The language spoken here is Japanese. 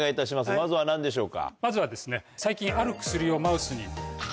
まずは何でしょうか？